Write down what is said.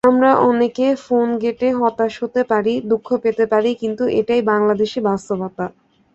আমরা অনেকে ফোনগেটে হতাশ হতে পারি, দুঃখ পেতে পারি কিন্তু এটাই বাংলাদেশি বাস্তবতা।